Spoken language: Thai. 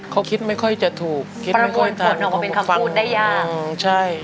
เขาคิดไม่ค่อยจะถูกประมวลผลออกมาเป็นความพูดได้ยาก